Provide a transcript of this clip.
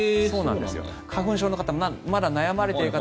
花粉症の方まだ悩まれている方